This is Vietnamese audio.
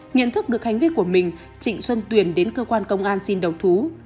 nhận thức được hành vi của mình trịnh xuân tuyền đến cơ quan công an xin đầu thú